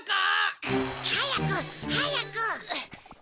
早く！早く！